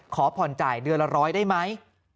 ขอผ่อนจ่ายเดือนละร้อยได้ไหม